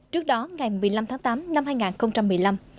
trước đó ngày một mươi năm tháng tám năm hai nghìn một mươi năm